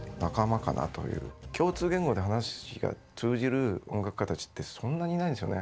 共通言語で話が通じる音楽家たちってそんなにいないんですよね。